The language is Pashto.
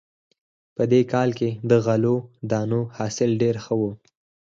په دې کال کې د غلو دانو حاصل ډېر ښه و